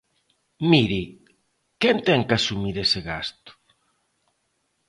Mire, ¿quen ten que asumir ese gasto?